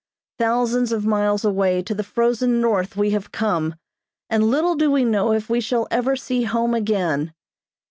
Thousands of miles away to the frozen north we have come, and little do we know if we shall ever see home again.